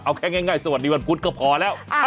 เอาแค่ง่ายสวัสดีวันพุธก็พอแล้ว